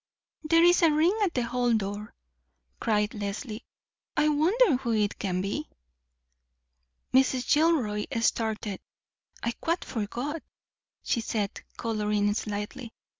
"There is a ring at the hall door," cried Leslie. "I wonder who it can be?" Mrs. Gilroy started. "I quite forgot," she said, coloring slightly. "Mr.